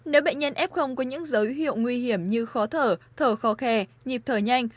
nếu bệnh nhân f có những dấu hiệu nguy hiểm như khó thở thở khó khè nhịp thở nhanh